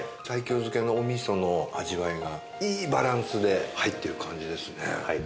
漬けのお味噌の味わいがいいバランスで入ってる感じですね。